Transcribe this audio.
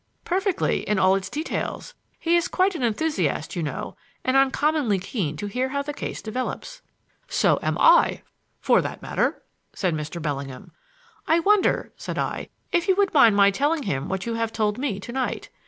"Perfectly, in all its details. He is quite an enthusiast, you know, and uncommonly keen to hear how the case develops." "So am I, for that matter," said Mr. Bellingham. "I wonder," said I, "if you would mind my telling him what you have told me to night?